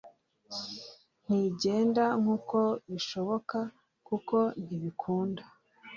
ntigenda nkuko bishoboka kuko ntibikunda